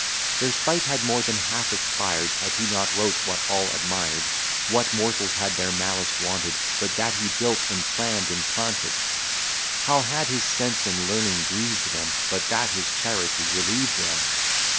Their spite had more than half expired, Had he not wrote what all admired; What morsels had their malice wanted, But that he built, and plann'd, and planted! How had his sense and learning grieved them, But that his charity relieved them!